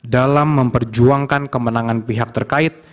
dalam memperjuangkan kemenangan pihak terkait